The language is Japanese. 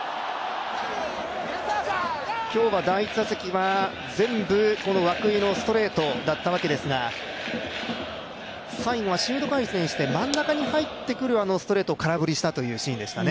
今日は第１打席は、全部、涌井のストレートだったわけですが最後はシュート回転して真ん中に入ってくるストレートを空振りしたというシーンでしたね。